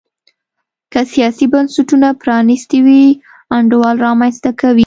که سیاسي بنسټونه پرانیستي وي انډول رامنځته کوي.